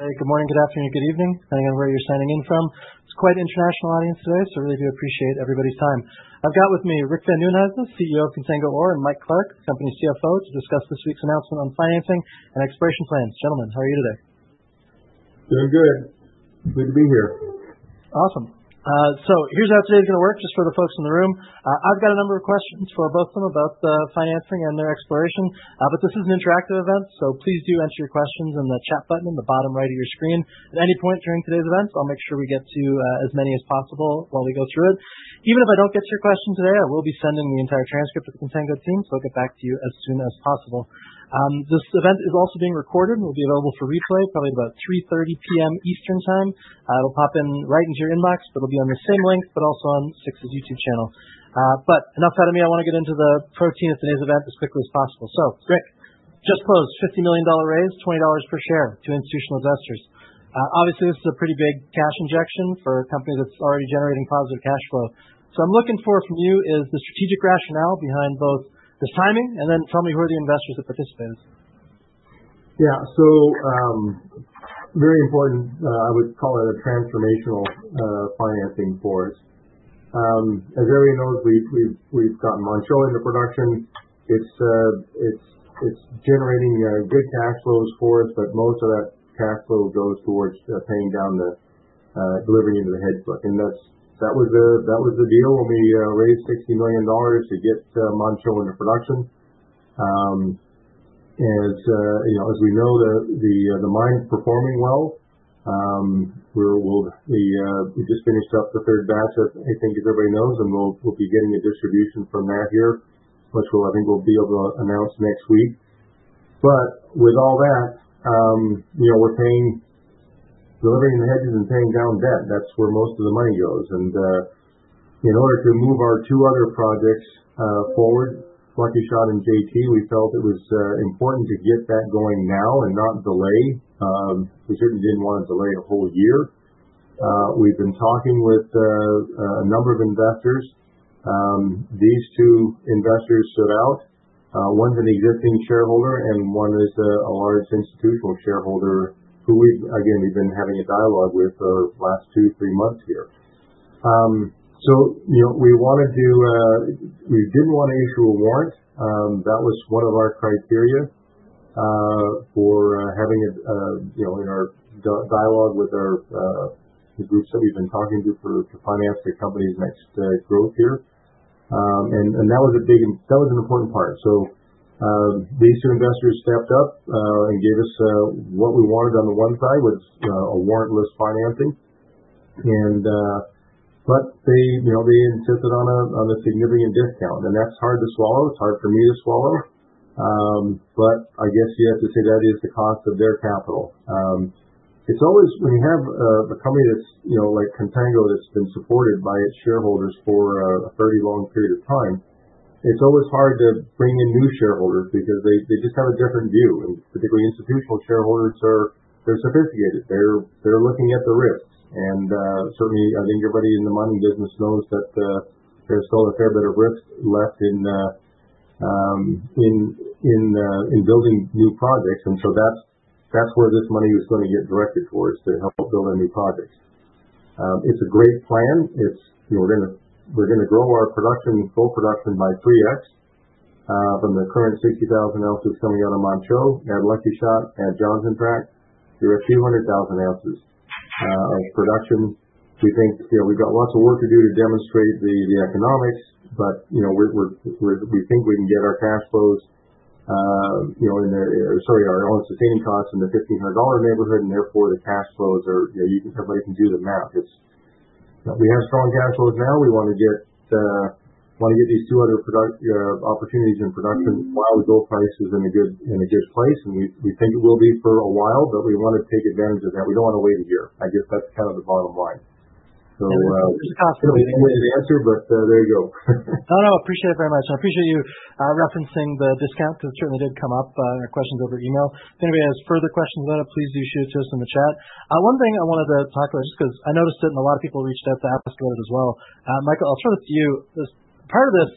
Hey, good morning, good afternoon, good evening, depending on where you're signing in from. It's quite an international audience today, so I really do appreciate everybody's time. I've got with me Rick Van Nieuwenhuyse, CEO of Contango Ore, and Mike Clark, the company's CFO, to discuss this week's announcement on financing and exploration plans. Gentlemen, how are you today? Doing good. Good to be here. Awesome. So here's how today's going to work, just for the folks in the room. I've got a number of questions for both of them about the financing and their exploration, but this is an interactive event, so please do enter your questions in the chat button in the bottom right of your screen. At any point during today's event, I'll make sure we get to as many as possible while we go through it. Even if I don't get to your question today, I will be sending the entire transcript to the Contango team, so I'll get back to you as soon as possible. This event is also being recorded and will be available for replay probably at about 3:30 PM, Eastern Time. It'll pop in right into your inbox, but it'll be on the same link, but also on 6ix's YouTube channel. But enough out of me. I want to get into the program at today's event as quickly as possible. So, Rick, just closed $50 million raised, $20 per share to institutional investors. Obviously, this is a pretty big cash injection for a company that's already generating positive cash flow. So I'm looking for from you the strategic rationale behind both this timing, and then tell me who are the investors that participated. Yeah, so very important. I would call it a transformational financing for us. As everyone knows, we've got Manh Choh into production. It's generating good cash flows for us, but most of that cash flow goes towards paying down the debt to the hedge fund. That was the deal when we raised $60 million to get Manh Choh into production. As we know, the mine's performing well. We just finished up the third batch, I think, as everybody knows, and we'll be getting a distribution from that here, which I think we'll be able to announce next week. But with all that, we're delivering the hedges and paying down debt. That's where most of the money goes. In order to move our two other projects forward, Lucky Shot and JT, we felt it was important to get that going now and not delay. We certainly didn't want to delay a whole year. We've been talking with a number of investors. These two investors stood out. One's an existing shareholder, and one is a large institutional shareholder who we've again been having a dialogue with the last two, three months here. So we wanted to, we didn't want to issue a warrant. That was one of our criteria for having in our dialogue with the groups that we've been talking to to finance the company's next growth here. And that was an important part. So these two investors stepped up and gave us what we wanted on the one side was a warrantless financing. But they insisted on a significant discount, and that's hard to swallow. It's hard for me to swallow. But I guess you have to say that is the cost of their capital. It's always, when you have a company like Contango that's been supported by its shareholders for a fairly long period of time, it's always hard to bring in new shareholders because they just have a different view. And particularly institutional shareholders, they're sophisticated. They're looking at the risks. And certainly, I think everybody in the mining business knows that there's still a fair bit of risk left in building new projects. And so that's where this money is going to get directed towards to help build a new project. It's a great plan. We're going to grow our production, full production by 3x from the current 60,000 ounces coming out of Manh Choh, add Lucky Shot, add Johnson Tract. You're at 200,000 ounces of production. We think we've got lots of work to do to demonstrate the economics, but we think we can get our cash flows in the, sorry, our all-in sustaining costs in the $1,500 neighborhood, and therefore the cash flows are, everybody can do the math. We have strong cash flows now. We want to get these two other opportunities in production while the gold price is in a good place. And we think it will be for a while, but we want to take advantage of that. We don't want to wait a year. I guess that's kind of the bottom line. So I can't really give you an answer, but there you go. No, no. Appreciate it very much. I appreciate you referencing the discount because it certainly did come up in our questions over email. If anybody has further questions about it, please do shoot it to us in the chat. One thing I wanted to talk about, just because I noticed it and a lot of people reached out to ask about it as well. Michael, I'll throw it to you. Part of this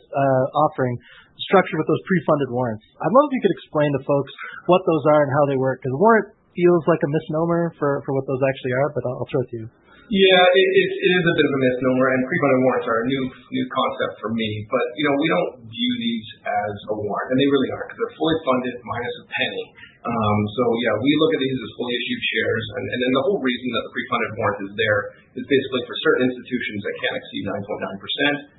offering is structured with those pre-funded warrants. I'd love if you could explain to folks what those are and how they work, because a warrant feels like a misnomer for what those actually are, but I'll throw it to you. Yeah, it is a bit of a misnomer, and pre-funded warrants are a new concept for me. But we don't view these as a warrant, and they really aren't, because they're fully funded minus a penny. So yeah, we look at these as fully issued shares. And then the whole reason that the pre-funded warrant is there is basically for certain institutions that can't exceed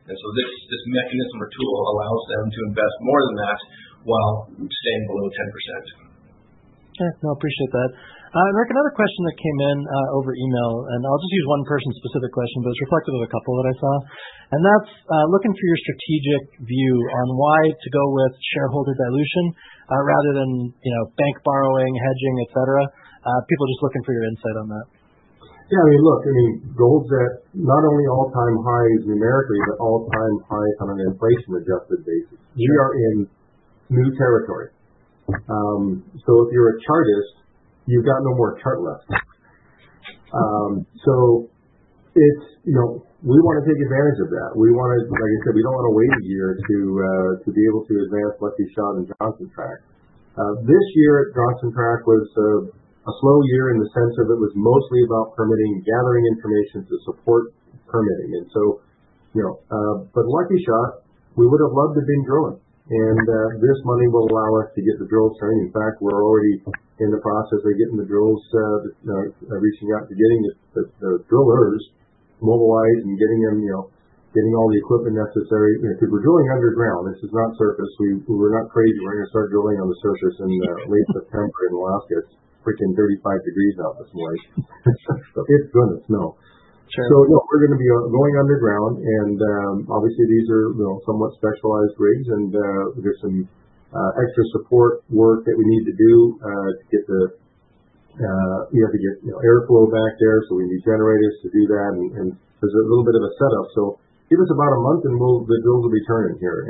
9.9%. And so this mechanism or tool allows them to invest more than that while staying below 10%. Okay, no, appreciate that. And Rick, another question that came in over email, and I'll just use one person's specific question, but it's reflective of a couple that I saw. And that's looking for your strategic view on why to go with shareholder dilution rather than bank borrowing, hedging, etc. People are just looking for your insight on that. Yeah, I mean, look, I mean, gold's at not only all-time highs numerically, but all-time highs on an inflation-adjusted basis. We are in new territory. So if you're a chartist, you've got no more chart left. So we want to take advantage of that. We want to, like I said, we don't want to wait a year to be able to advance Lucky Shot and Johnson Tract. This year, Johnson Tract was a slow year in the sense of it was mostly about permitting, gathering information to support permitting. And so, but Lucky Shot, we would have loved to have been drilling. And this money will allow us to get the drills trammed. In fact, we're already in the process of getting the drills, reaching out to getting the drillers mobilized and getting them all the equipment necessary, because we're drilling underground. This is not surface. We're not crazy. We're going to start drilling on the surface in late September in Alaska. It's freaking 35 degrees out this morning, so it's going to snow. We're going to be going underground, and obviously these are somewhat specialized rigs, and there's some extra support work that we need to do to get the, we have to get airflow back there, so we need generators to do that, and there's a little bit of a setup. Give us about a month and the drills will be turning here.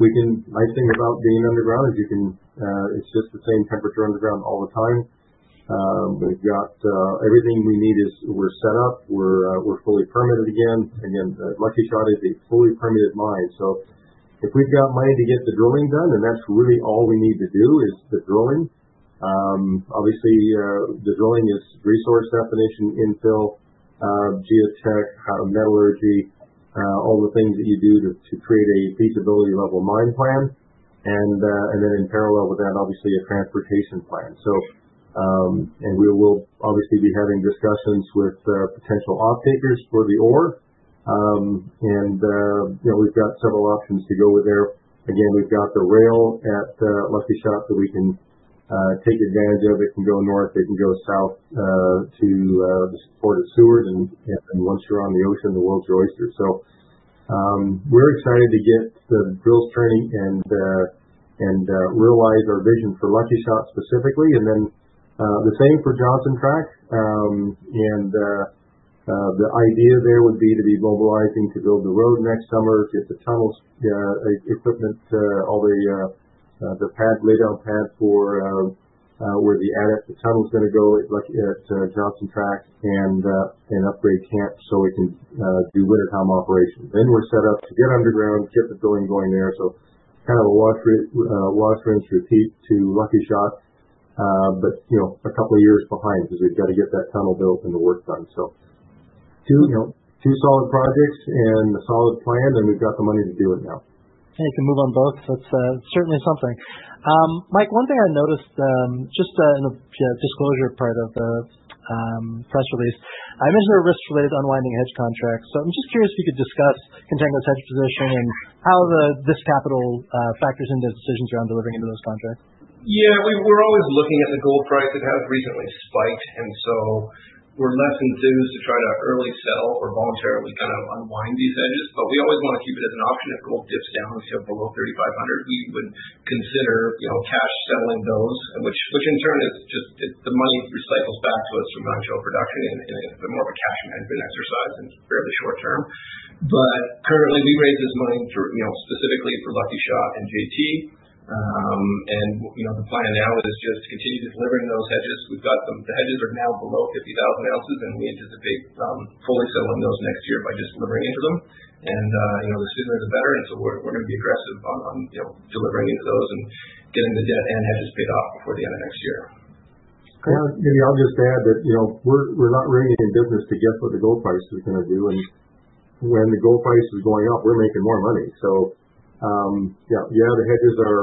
The nice thing about being underground is you can, it's just the same temperature underground all the time. We've got everything we need. We're set up, we're fully permitted again. Again, Lucky Shot is a fully permitted mine. If we've got money to get the drilling done, and that's really all we need to do is the drilling. Obviously, the drilling is resource definition, infill, geotech, metallurgy, all the things that you do to create a feasibility level mine plan. Then in parallel with that, obviously a transportation plan. We will obviously be having discussions with potential off-takers for the ore. We've got several options to go with there. Again, we've got the rail at Lucky Shot that we can take advantage of. It can go north, it can go south to Seward, and once you're on the ocean, the world's your oyster. We're excited to get the drills turning and realize our vision for Lucky Shot specifically. Then the same for Johnson Tract. And the idea there would be to be mobilizing to build the road next summer, get the tunnel equipment, all the laid-out pads where the tunnel's going to go at Johnson Tract and upgrade camp so we can do wintertime operations. Then we're set up to get underground, get the drilling going there. So kind of a wash rinse repeat to Lucky Shot, but a couple of years behind because we've got to get that tunnel built and the work done. So two solid projects and a solid plan, and we've got the money to do it now. You can move on both. That's certainly something. Mike, one thing I noticed, just in the disclosure part of the press release, I mentioned there are risk-related unwinding hedge contracts. So I'm just curious if you could discuss Contango's hedge position and how this capital factors into decisions around delivering into those contracts. Yeah, we're always looking at the gold price. It has recently spiked, and so we're less enthused to try to early sell or voluntarily kind of unwind these hedges. But we always want to keep it as an option. If gold dips down, if you have below $3,500, we would consider cash selling those, which in turn is just the money recycles back to us from Manh Choh production, and it's more of a cash management exercise in fairly short term. But currently, we raise this money specifically for Lucky Shot and JT, and the plan now is just to continue delivering those hedges. We've got the hedges are now below 50,000 ounces, and we anticipate fully selling those next year by just delivering into them. And the sooner the better, and so we're going to be aggressive on delivering into those and getting the debt and hedges paid off before the end of next year. Maybe I'll just add that we're not really in business to guess what the gold price is going to do. And when the gold price is going up, we're making more money. So yeah, the hedges are,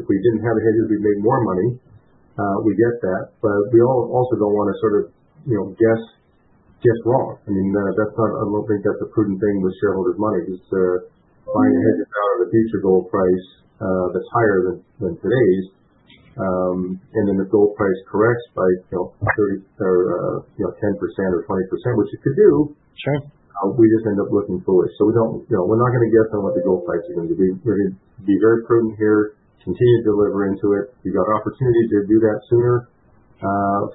if we didn't have hedges, we'd make more money. We get that. But we also don't want to sort of guess wrong. I mean, I don't think that's a prudent thing with shareholders' money. Just buying a hedge is out of the future gold price that's higher than today's. And then if gold price corrects by 10% or 20%, which it could do, we just end up looking foolish. So we're not going to guess on what the gold price is going to be. We're going to be very prudent here, continue to deliver into it. We've got opportunity to do that sooner,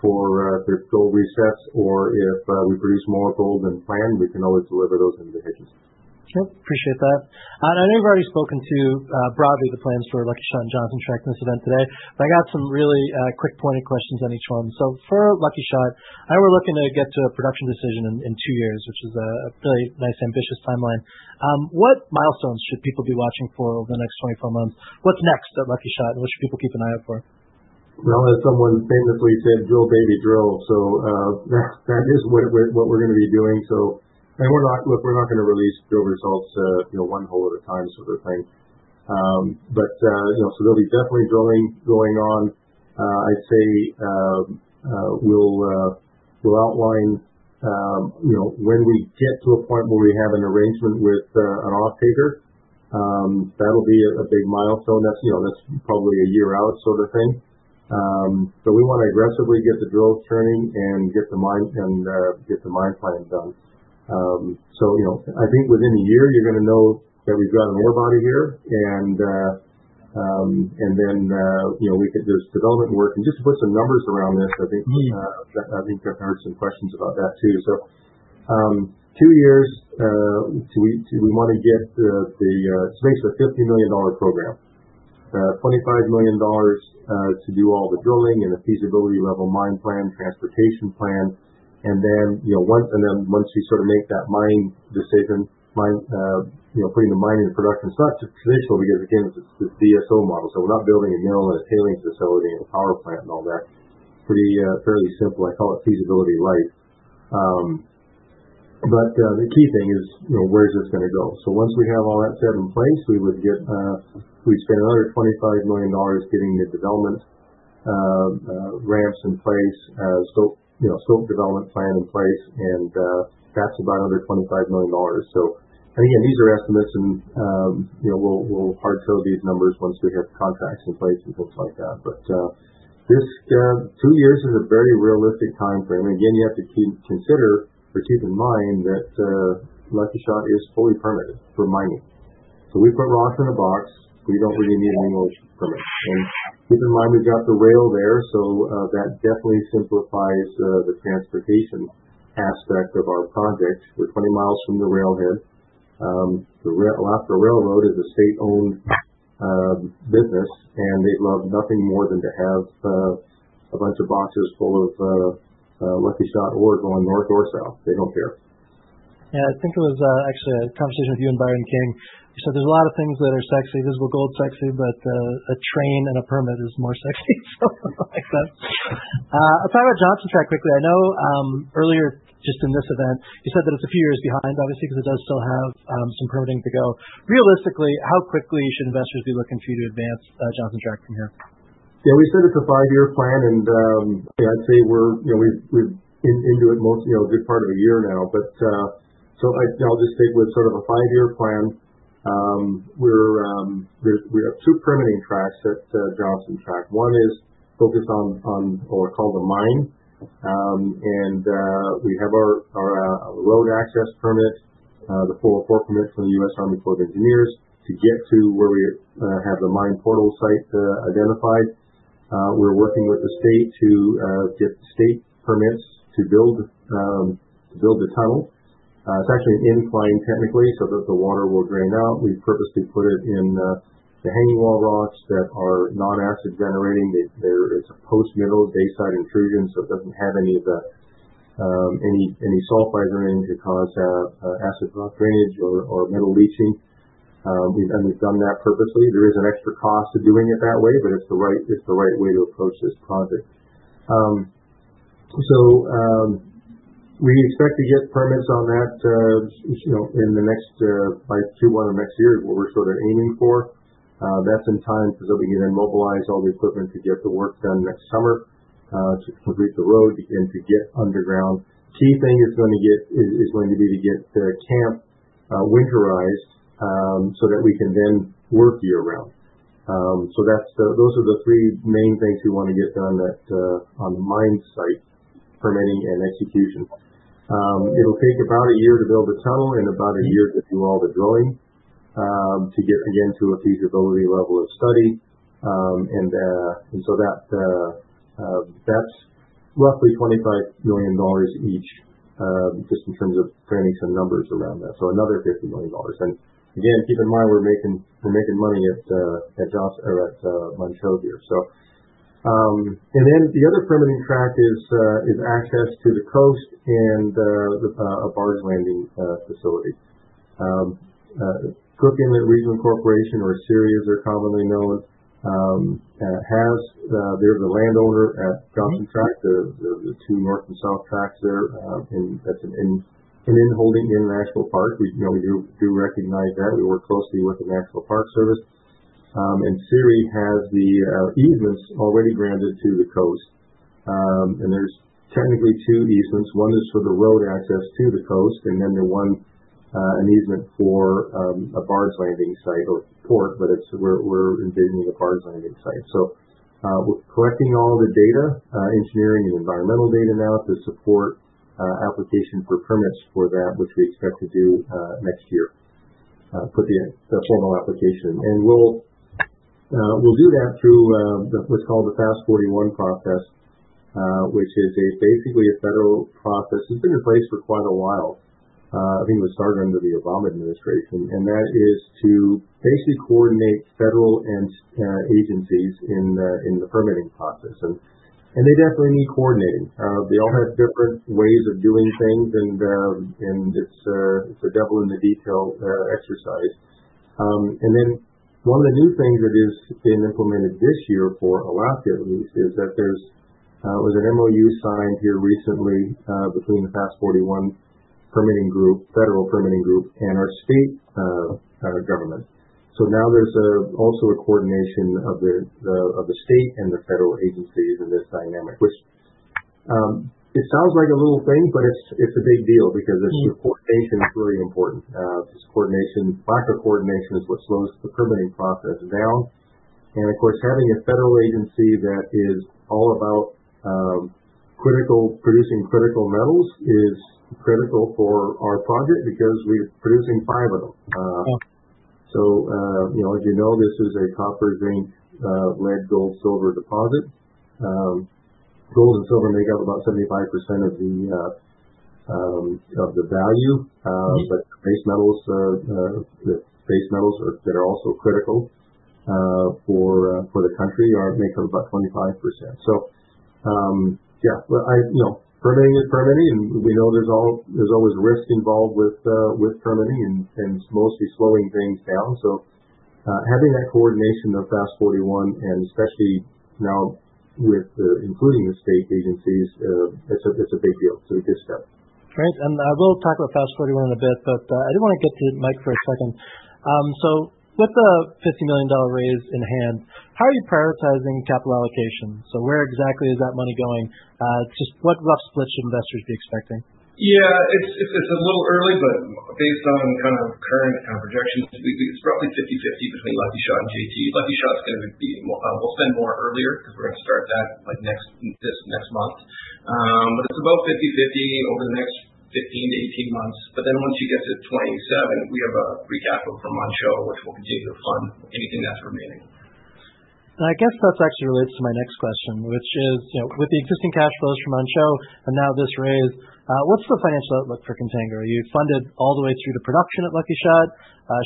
for if there's gold resets or if we produce more gold than planned, we can always deliver those into the hedges. Sure, appreciate that, and I know you've already spoken to broadly the plans for Lucky Shot and Johnson Tract in this event today, but I got some really quick pointed questions on each one, so for Lucky Shot, I know we're looking to get to a production decision in two years, which is a really nice ambitious timeline. What milestones should people be watching for over the next 24 months? What's next at Lucky Shot, and what should people keep an eye out for? As someone famously said, drill, baby, drill. So that is what we're going to be doing. And look, we're not going to release drill results one hole at a time sort of thing. But so there'll be definitely drilling going on. I'd say we'll outline when we get to a point where we have an arrangement with an off-taker. That'll be a big milestone. That's probably a year out sort of thing. But we want to aggressively get the drills turning and get the mine plan done. So I think within a year, you're going to know that we've got an ore body here, and then there's development work. And just to put some numbers around this, I think I've heard some questions about that too. So two years, we want to get the. It's basically a $50 million program. $25 million to do all the drilling and a feasibility level mine plan, transportation plan and then once we sort of make that mine decision, putting the mine into production. It's not traditional because, again, it's this DSO model, so we're not building a mill and a tailings facility and a power plant and all that. It's pretty fairly simple. I call it feasibility light, but the key thing is where's this going to go, so once we have all that set in place, we would get, we'd spend another $25 million getting the development ramps in place, scoping development plan in place, and that's about another $25 million, so, and again, these are estimates, and we'll hard code these numbers once we have contracts in place and things like that, but this two years is a very realistic time frame. And again, you have to consider or keep in mind that Lucky Shot is fully permitted for mining. So we put rocks in a box. We don't really need any more permitting. And keep in mind, we've got the rail there, so that definitely simplifies the transportation aspect of our project. We're 20 miles from the railhead. Alaska Railroad is a state-owned business, and they'd love nothing more than to have a bunch of boxes full of Lucky Shot ore going north or south. They don't care. Yeah, I think it was actually a conversation with you and Byron King. You said there's a lot of things that are sexy, visible gold's sexy, but a train and a permit is more sexy. So it makes sense. I'll talk about Johnson Tract quickly. I know earlier, just in this event, you said that it's a few years behind, obviously, because it does still have some permitting to go. Realistically, how quickly should investors be looking for you to advance Johnson Tract from here? Yeah, we set it to five-year plan, and I'd say we're into it mostly a good part of a year now. But so I'll just stick with sort of a five-year plan. We have two permitting tracks at Johnson Tract. One is focused on what we call the mine. And we have our road access permit, the 404 permit from the U.S. Army Corps of Engineers to get to where we have the mine portal site identified. We're working with the state to get state permits to build the tunnel. It's actually inclined technically so that the water will drain out. We've purposely put it in the hanging wall rocks that are non-acid generating. It's a post-mineral basalt intrusion, so it doesn't have any sulfides or anything to cause acid rock drainage or metal leaching. And we've done that purposely. There is an extra cost to doing it that way, but it's the right way to approach this project, so we expect to get permits on that in the next year by Q1 of next year is what we're sort of aiming for. That's in time so that we can then mobilize all the equipment to get the work done next summer to complete the road and to get underground. A key thing is going to be to get the camp winterized so that we can then work year-round, so those are the three main things we want to get done on the mine site, permitting and execution. It'll take about a year to build the tunnel and about a year to do all the drilling to get, again, to a feasibility study. And so that's roughly $25 million each, just in terms of fairly rough numbers around that. So another $50 million. And again, keep in mind we're making money at Manh Choh here. And then the other permitting track is access to the coast and the barge landing facility. Cook Inlet Region, Inc. or CIRI as they're commonly known, has. They're the landowner at Johnson Tract, the two north and south tracts there. And that's an in-holding in National Park. We do recognize that. We work closely with the National Park Service. And CIRI has the easements already granted to the coast. And there's technically two easements. One is for the road access to the coast, and then the one, an easement for a barge landing site or port, but we're envisioning a barge landing site. So we're collecting all the data, engineering and environmental data now to support application for permits for that, which we expect to do next year, put the formal application. We'll do that through what's called the FAST-41 process, which is basically a federal process. It's been in place for quite a while. I think it was started under the Obama administration. That is to basically coordinate federal agencies in the permitting process. They definitely need coordinating. They all have different ways of doing things, and it's a devil in the detail exercise. Then one of the new things that has been implemented this year for Alaska, at least, is that there's an MOU signed here recently between the FAST-41 permitting group, federal permitting group, and our state government. Now there's also a coordination of the state and the federal agencies in this dynamic, which it sounds like a little thing, but it's a big deal because this coordination is really important. This coordination, lack of coordination is what slows the permitting process down. And of course, having a federal agency that is all about producing critical metals is critical for our project because we're producing five of them. So as you know, this is a copper-zinc lead gold silver deposit. Gold and silver make up about 75% of the value, but the base metals that are also critical for the country make up about 25%. So yeah, permitting is permitting, and we know there's always risk involved with permitting and mostly slowing things down. So having that coordination of FAST-41, and especially now with including the state agencies, it's a big deal. It's a big step. Great. And I will talk about FAST-41 in a bit, but I do want to get to Mike for a second. So with the $50 million raise in hand, how are you prioritizing capital allocation? So where exactly is that money going? Just what rough split should investors be expecting? Yeah, it's a little early, but based on kind of current projections, it's roughly 50-50 between Lucky Shot and JT. Lucky Shot's going to be we'll spend more earlier because we're going to start that this next month. But it's about 50-50 over the next 15 to 18 months. But then once you get to 2027, we have a recap from Manh Choh, which we'll continue to fund anything that's remaining. I guess that actually relates to my next question, which is with the existing cash flows from Manh Choh and now this raise, what's the financial outlook for Contango? Are you funded all the way through to production at Lucky Shot?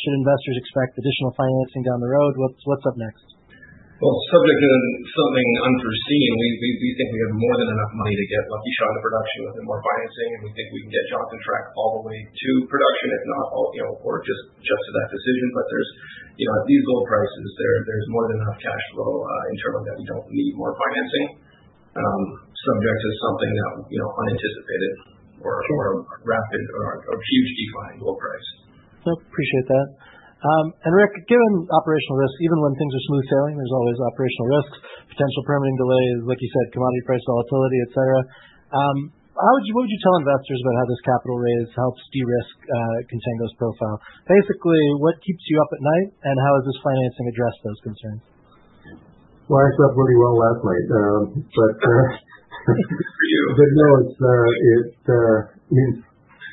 Should investors expect additional financing down the road? What's up next? Subject to something unforeseen, we think we have more than enough money to get Lucky Shot to production with more financing, and we think we can get Johnson Tract all the way to production, if not, or just to that decision. But at these gold prices, there's more than enough cash flow internally that we don't need more financing, subject to something unanticipated or a rapid or huge decline in gold price. Appreciate that. Rick, given operational risk, even when things are smooth sailing, there's always operational risks, potential permitting delays, like you said, commodity price volatility, etc. What would you tell investors about how this capital raise helps de-risk Contango's profile? Basically, what keeps you up at night, and how has this financing addressed those concerns? I slept really well last night. No,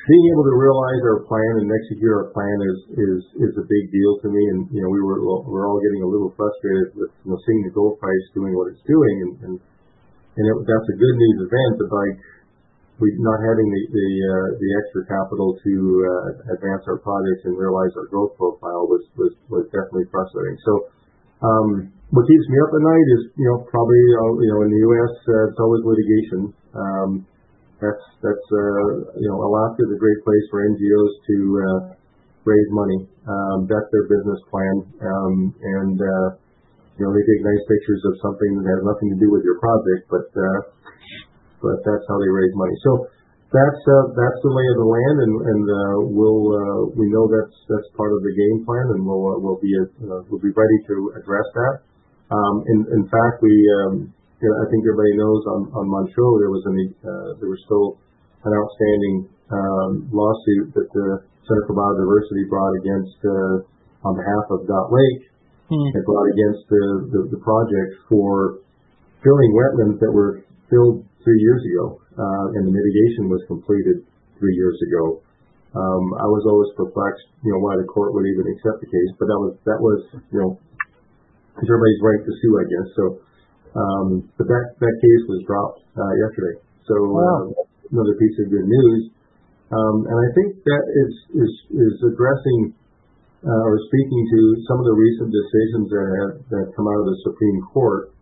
being able to realize our plan and execute our plan is a big deal to me. We're all getting a little frustrated with seeing the gold price doing what it's doing. That's a good news event, but not having the extra capital to advance our project and realize our growth profile was definitely frustrating. What keeps me up at night is probably in the U.S., it's always litigation. Alaska is a great place for NGOs to raise money, vet their business plan, and they take nice pictures of something that has nothing to do with your project, but that's how they raise money. That's the lay of the land, and we know that's part of the game plan, and we'll be ready to address that. In fact, I think everybody knows on Manh Choh, there was still an outstanding lawsuit that the Center for Biological Diversity brought on behalf of Dot Lake. They brought against the project for filling wetlands that were filled three years ago, and the mitigation was completed three years ago. I was always perplexed why the court would even accept the case, but that was because everybody's right to sue, I guess. But that case was dropped yesterday. So another piece of good news, and I think that is addressing or speaking to some of the recent decisions that have come out of the Supreme Court.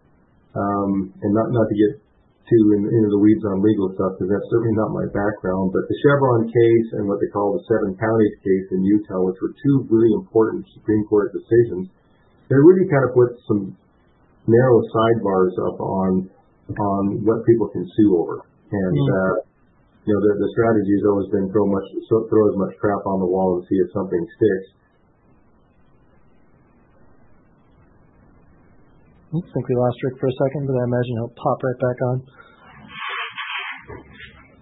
Not to get too into the weeds on legal stuff, because that's certainly not my background, but the Chevron case and what they call the Seven County case in Utah, which were two really important Supreme Court decisions, they really kind of put some narrow sidebars up on what people can sue over. The strategy has always been throw as much crap on the wall and see if something sticks. I think we lost Rick for a second, but I imagine he'll pop right back on.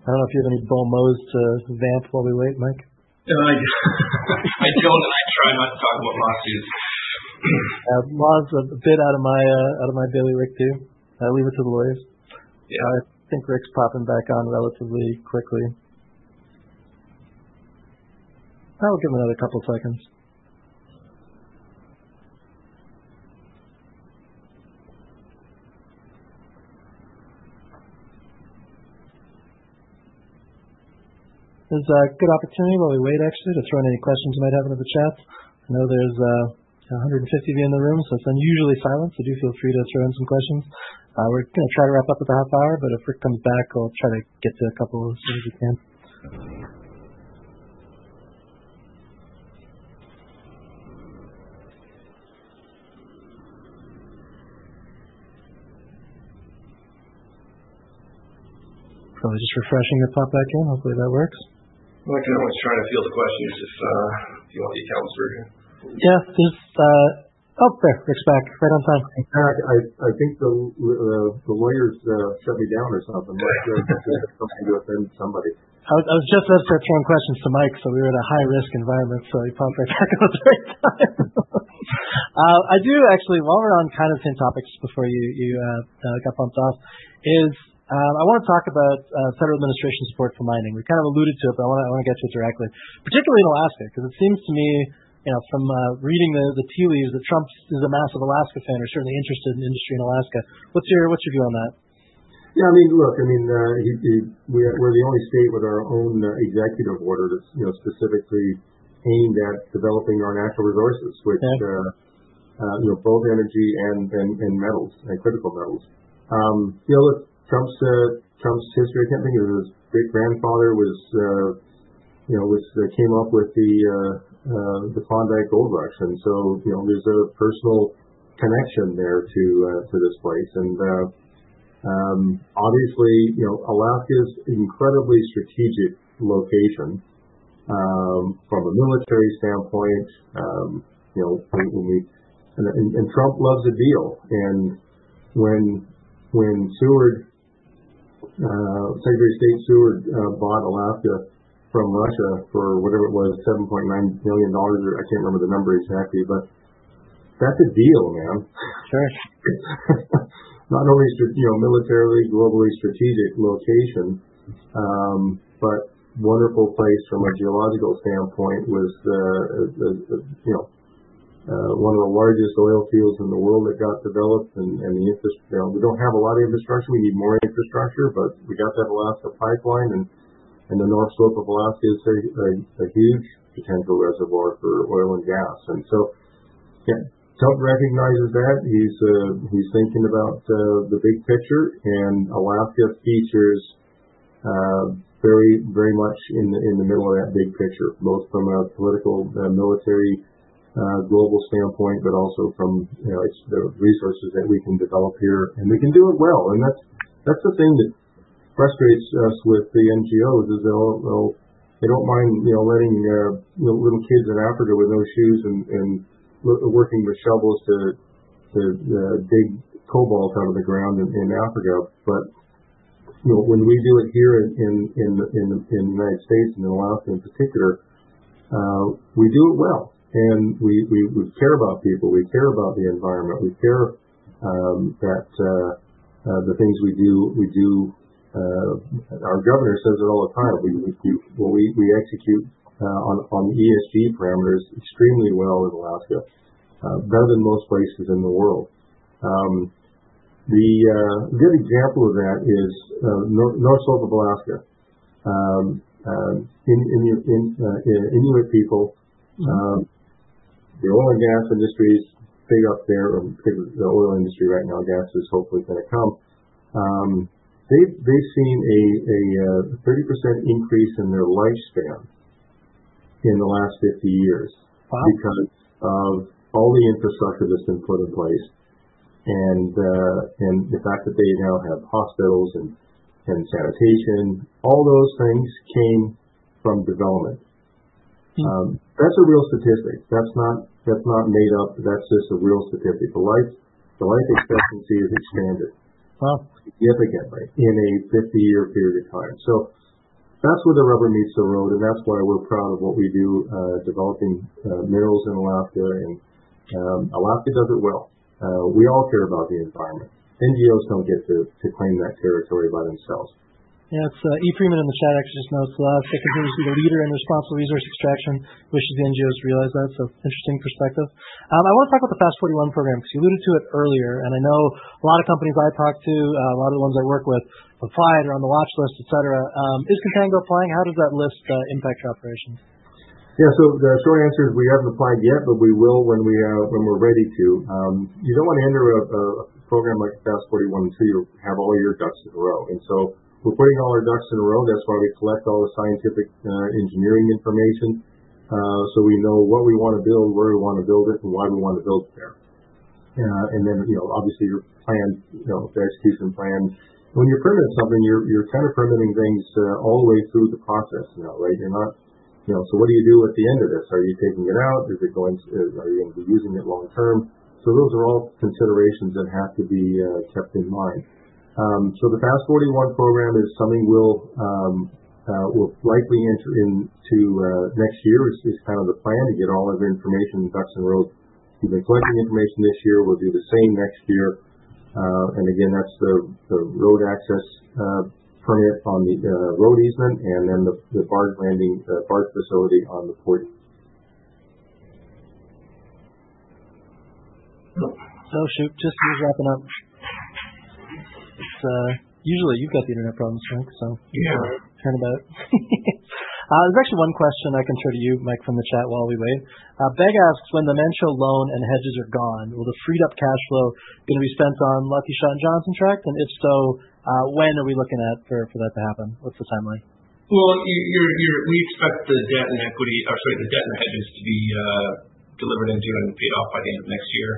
I don't know if you have any bon mots to vamp while we wait, Mike. No, I don't. I try not to talk about lawsuits. Laws are a bit out of my bailiwick, too. I leave it to the lawyers. Yeah. I think Rick's popping back on relatively quickly. I'll give him another couple of seconds. This is a good opportunity while we wait, actually, to throw in any questions you might have into the chat. I know there's 150 of you in the room, so it's unusually silent, so do feel free to throw in some questions. We're going to try to wrap up at the half hour, but if Rick comes back, I'll try to get to a couple as soon as we can. Probably just refreshing to pop back in. Hopefully, that works. I'm looking at who's trying to field the questions, if you want the accountant's version. Yeah. Oh, there. Rick's back. Right on time. I think the lawyers shut me down or something. Rick's going to have something to offend somebody. I was just about to start throwing questions to Mike, so we were in a high-risk environment, so he popped right back on at the right time. I do, actually, while we're on kind of the same topics before you got bumped off, is I want to talk about federal administration support for mining. We kind of alluded to it, but I want to get to it directly, particularly in Alaska, because it seems to me, from reading the tea leaves, that Trump is a massive Alaska fan or certainly interested in industry in Alaska. What's your view on that? Yeah, I mean, look, I mean, we're the only state with our own executive order that's specifically aimed at developing our natural resources, which both energy and metals and critical metals. Look, Trump's history, I can't think of his great-grandfather came up with the Klondike Gold Rush. And so there's a personal connection there to this place. And obviously, Alaska is an incredibly strategic location from a military standpoint. And Trump loves a deal. And when Secretary of State Seward bought Alaska from Russia for whatever it was, $7.9 billion, or I can't remember the number exactly, but that's a deal, man. Sure. Not only militarily, globally strategic location, but wonderful place from a geological standpoint was one of the largest oil fields in the world that got developed. And we don't have a lot of infrastructure. We need more infrastructure, but we got that Alaska pipeline. And the North Slope of Alaska is a huge potential reservoir for oil and gas. And so Trump recognizes that. He's thinking about the big picture. And Alaska features very, very much in the middle of that big picture, both from a political, military, global standpoint, but also from the resources that we can develop here. And we can do it well. And that's the thing that frustrates us with the NGOs, is they don't mind letting little kids in Africa with no shoes and working with shovels to dig cobalt out of the ground in Africa. But when we do it here in the United States and in Alaska in particular, we do it well. And we care about people. We care about the environment. We care that the things we do, we do. Our governor says it all the time. We execute on the ESG parameters extremely well in Alaska, better than most places in the world. The good example of that is North Slope of Alaska. Inuit people, the oil and gas industries, big up there, the oil industry right now, gas is hopefully going to come. They've seen a 30% increase in their lifespan in the last 50 years because of all the infrastructure that's been put in place. And the fact that they now have hospitals and sanitation, all those things came from development. That's a real statistic. That's not made up. That's just a real statistic. The life expectancy has expanded significantly in a 50-year period of time, so that's where the rubber meets the road, and that's why we're proud of what we do, developing minerals in Alaska, and Alaska does it well. We all care about the environment. NGOs don't get to claim that territory by themselves. Yeah, it's Freeman in the chat actually just notes Alaska continues to be the leader in responsible resource extraction, wishes the NGOs realize that. So, interesting perspective. I want to talk about the FAST-41 program because you alluded to it earlier. And I know a lot of companies I talk to, a lot of the ones I work with, have applied, are on the watch list, etc. Is Contango applying? How does that list impact your operations? Yeah, so the short answer is we haven't applied yet, but we will when we're ready to. You don't want to enter a program like FAST-41 until you have all your ducks in a row. And so we're putting all our ducks in a row. That's why we collect all the scientific engineering information so we know what we want to build, where we want to build it, and why we want to build it there. And then obviously your execution plan. When you're permitting something, you're kind of permitting things all the way through the process now, right? So those are all considerations that have to be kept in mind. So the FAST-41 program is something we'll likely enter into next year is kind of the plan to get all of the information and ducks in a row. We've been collecting information this year. We'll do the same next year. And again, that's the road access permit on the road easement and then the barge landing, the barge facility on the 40. Oh, shoot. Just wrapping up. Usually, you've got the internet problems, Rick, so you're kind of out. There's actually one question I can throw to you, Mike, from the chat while we wait. Ben asks, when the Manh Choh loan and hedges are gone, will the freed-up cash flow be going to be spent on Lucky Shot and Johnson Tract? And if so, when are we looking at for that to happen? What's the timeline? We expect the debt and equity, or sorry, the debt and hedges to be delivered into and paid off by the end of next year.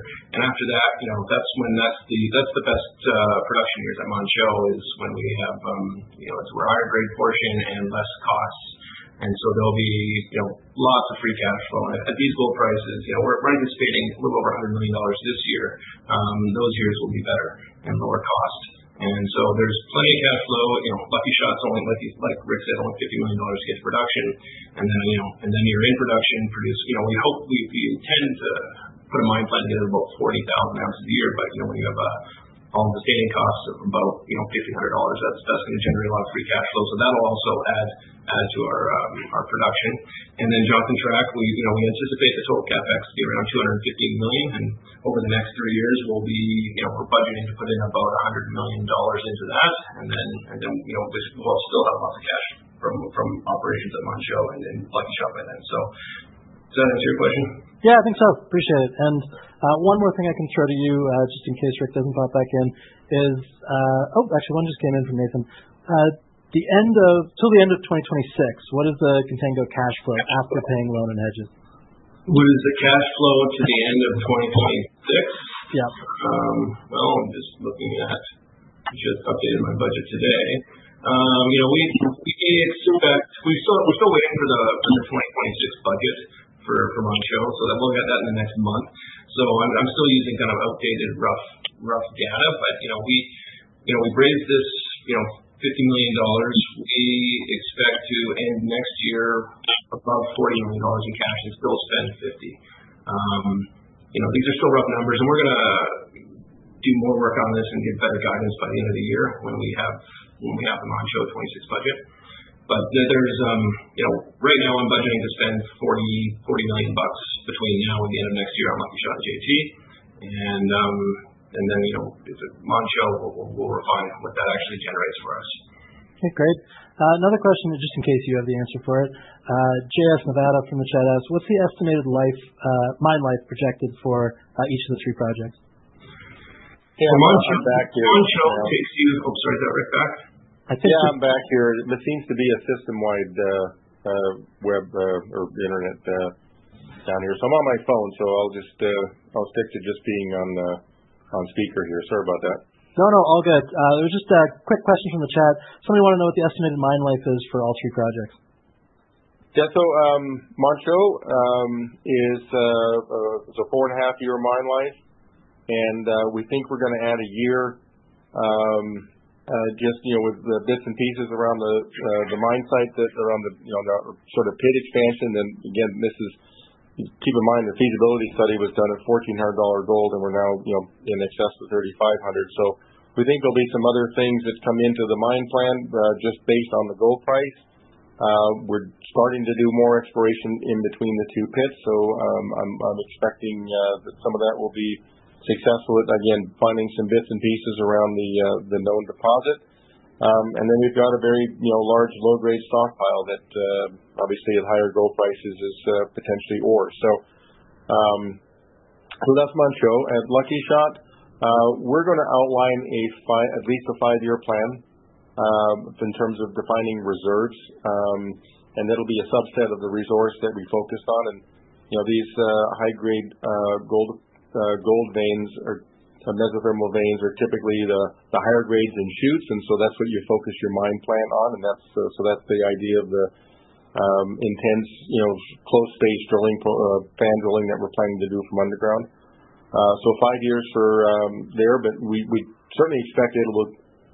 After that, that's when the best production years at Manh Choh is when we have a higher grade portion and less costs. There'll be lots of free cash flow at these gold prices. We're anticipating a little over $100 million this year. Those years will be better and lower cost. There's plenty of cash flow. Lucky Shot, like Rick said, only $50 million to get to production. Then you're in production. We intend to put a mine plan to get about 40,000 ounces a year. When you have all the sustaining costs of about $1,500, that's going to generate a lot of free cash flow. That'll also add to our production. And then Johnson Tract, we anticipate the total CapEx to be around $250 million. And over the next three years, we're budgeting to put in about $100 million into that. And then we'll still have lots of cash from operations at Manh Choh and Lucky Shot by then. So does that answer your question? Yeah, I think so. Appreciate it. And one more thing I can throw to you, just in case Rick doesn't pop back in, is, oh, actually, one just came in from Nathan. Till the end of 2026, what is the Contango cash flow after paying loan and hedges? What is the cash flow to the end of 2026? Yeah. I'm just looking at, just updated my budget today. We're still waiting for the 2026 budget for Manh Choh, so we'll get that in the next month. I'm still using kind of updated rough data, but we raised this $50 million. We expect to end next year above $40 million in cash and still spend $50. These are still rough numbers. We're going to do more work on this and get better guidance by the end of the year when we have the Manh Choh 2026 budget. Right now, I'm budgeting to spend $40 million between now and the end of next year on Lucky Shot and JT. Then at Manh Choh, we'll refine what that actually generates for us. Okay, great. Another question, just in case you have the answer for it. JS Nevada from the chat asks, what's the estimated mine life projected for each of the three projects? Yeah, Manh Choh takes you, oh, sorry, is that Rick back? I think. Yeah, I'm back here. There seems to be a system-wide web or internet down here. So I'm on my phone, so I'll stick to just being on speaker here. Sorry about that. No, no, all good. It was just a quick question from the chat. Somebody wanted to know what the estimated mine life is for all three projects. Yeah, so Manh Choh is a four-and-a-half-year mine life. And we think we're going to add a year just with the bits and pieces around the mine site that are on the sort of pit expansion. And again, keep in mind, the feasibility study was done at $1,400 gold, and we're now in excess of $3,500. So we think there'll be some other things that come into the mine plan just based on the gold price. We're starting to do more exploration in between the two pits. So I'm expecting that some of that will be successful at, again, finding some bits and pieces around the known deposit. And then we've got a very large low-grade stockpile that obviously, at higher gold prices, is potentially ore. So that's Manh Choh. At Lucky Shot, we're going to outline at least a five-year plan in terms of defining reserves. And that'll be a subset of the resource that we focused on. And these high-grade gold veins or mesothermal veins are typically the higher grades and shoots. And so that's what you focus your mine plan on. And so that's the idea of the intense close-phase drilling, fan drilling that we're planning to do from underground. So five years for there, but we certainly expect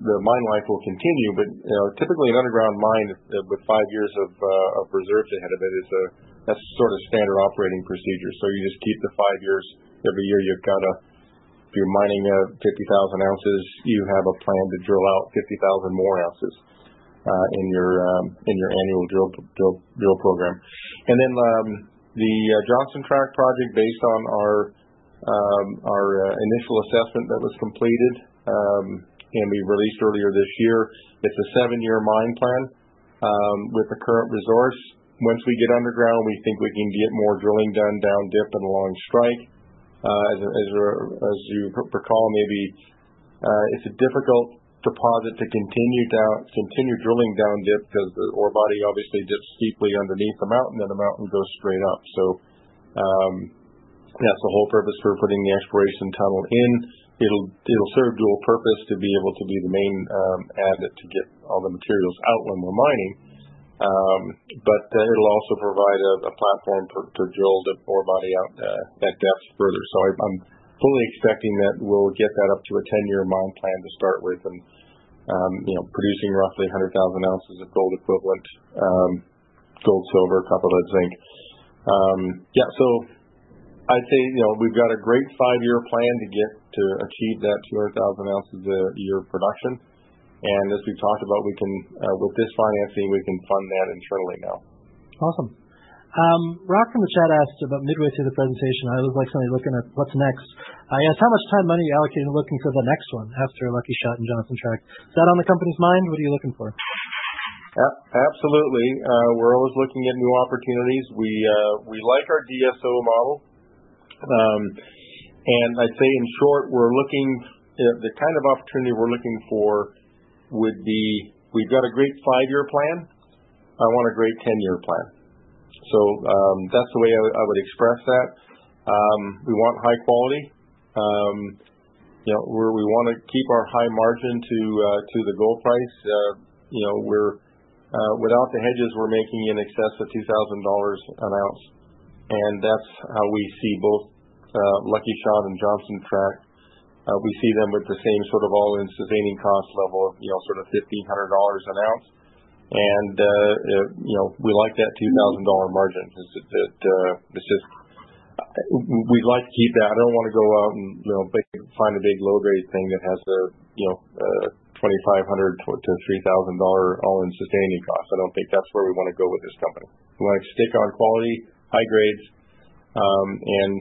the mine life will continue. But typically, an underground mine with five years of reserves ahead of it, that's sort of standard operating procedure. So you just keep the five years. Every year you've got to, if you're mining 50,000 ounces, you have a plan to drill out 50,000 more ounces in your annual drill program. And then the Johnson Tract project, based on our initial assessment that was completed and we released earlier this year, it's a seven-year mine plan with the current resource. Once we get underground, we think we can get more drilling done down dip and along strike. As you recall, maybe it's a difficult deposit to continue drilling down dip because the ore body obviously dips deeply underneath the mountain, and the mountain goes straight up. So that's the whole purpose for putting the exploration tunnel in. It'll serve dual purpose to be able to be the main adit to get all the materials out when we're mining. But it'll also provide a platform to drill the ore body out at depth further. So I'm fully expecting that we'll get that up to a 10-year mine plan to start with and producing roughly 100,000 ounces of gold equivalent, gold, silver, copper lead, zinc. Yeah, so I'd say we've got a great five-year plan to achieve that 200,000 ounces a year of production. As we've talked about, with this financing, we can fund that internally now. Awesome. Rak from the chat asked about midway through the presentation. I always like somebody looking at what's next. He asked, how much time, money are you allocating to looking for the next one after Lucky Shot and Johnson Tract? Is that on the company's mind? What are you looking for? Absolutely. We're always looking at new opportunities. We like our DSO model. And I'd say in short, the kind of opportunity we're looking for would be we've got a great five-year plan. I want a great 10-year plan. So that's the way I would express that. We want high quality. We want to keep our high margin to the gold price. Without the hedges, we're making in excess of $2,000 an ounce. And that's how we see both Lucky Shot and Johnson Tract. We see them with the same sort of all-in sustaining cost level of sort of $1,500 an ounce. And we like that $2,000 margin because it's just we'd like to keep that. I don't want to go out and find a big low-grade thing that has a $2,500 to $3,000 all-in sustaining cost. I don't think that's where we want to go with this company. We want to stick on quality, high grades, and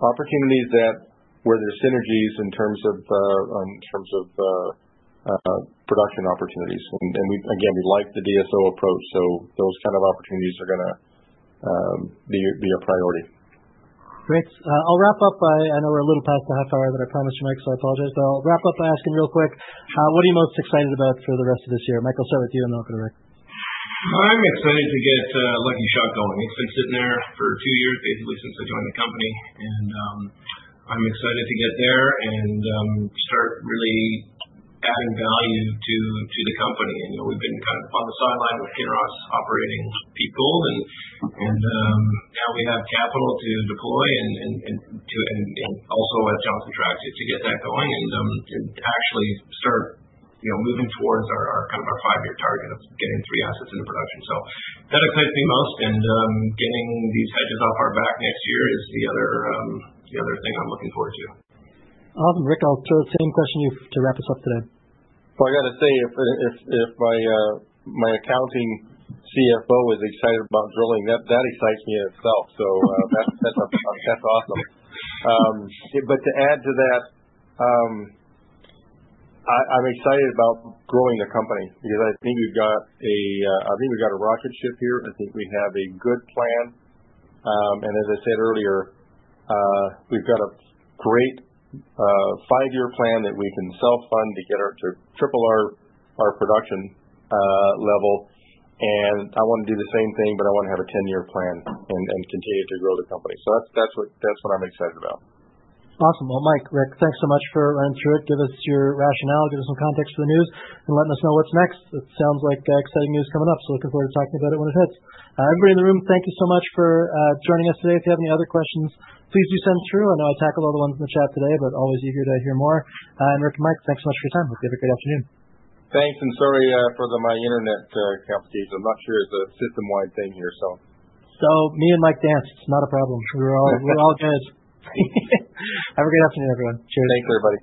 opportunities where there's synergies in terms of production opportunities. And again, we like the DSO approach. So those kind of opportunities are going to be a priority. Great. I'll wrap up. I know we're a little past the half hour that I promised you, Mike, so I apologize. But I'll wrap up by asking real quick, what are you most excited about for the rest of this year? Mike, I'll start with you, and then I'll go to Rick. I'm excited to get Lucky Shot going. It's been sitting there for two years, basically, since I joined the company. And I'm excited to get there and start really adding value to the company. And we've been kind of on the sideline with Kinross operating Peak Gold. And now we have capital to deploy and also at Johnson Tract to get that going and actually start moving towards kind of our five-year target of getting three assets into production. So that excites me most. And getting these hedges off our back next year is the other thing I'm looking forward to. Awesome. Rick, I'll throw the same question to you to wrap us up today. I got to say, if my accounting CFO is excited about drilling, that excites me in itself. That's awesome. To add to that, I'm excited about growing the company because I think we've got a—I think we've got a rocket ship here. I think we have a good plan. As I said earlier, we've got a great five-year plan that we can self-fund to triple our production level. I want to do the same thing, but I want to have a 10-year plan and continue to grow the company. That's what I'm excited about. Awesome. Well, Mike, Rick, thanks so much for running through it. Give us your rationale, give us some context for the news, and letting us know what's next. It sounds like exciting news coming up. So looking forward to talking about it when it hits. Everybody in the room, thank you so much for joining us today. If you have any other questions, please do send through. I know I tackled all the ones in the chat today, but always eager to hear more. And Rick and Mike, thanks so much for your time. Hope you have a great afternoon. Thanks. And sorry for my internet complications. I'm not sure it's a system-wide thing here, so. So me and Mike danced. Not a problem. We're all good. Have a great afternoon, everyone. Cheers. Thanks, everybody.